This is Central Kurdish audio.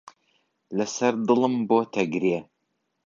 لەسەر دڵم بۆتە گرێ.